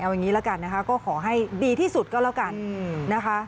เอาอย่างนี้ละกันนะคะก็ขอให้ดีที่สุดก็แล้วกันนะคะ